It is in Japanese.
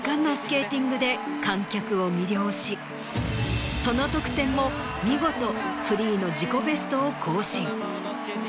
で観客を魅了しその得点も見事フリーの自己ベストを更新。